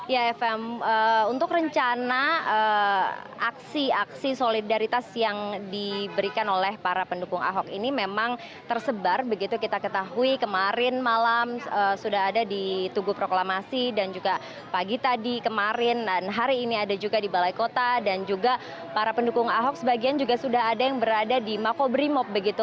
ya efem untuk rencana aksi aksi solidaritas yang diberikan oleh para pendukung ahok ini memang tersebar begitu kita ketahui kemarin malam sudah ada di tugu proklamasi dan juga pagi tadi kemarin dan hari ini ada juga di balai kota dan juga para pendukung ahok sebagian juga sudah ada yang berada di makobrimob begitu